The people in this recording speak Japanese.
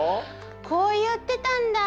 こう言ってたんだ！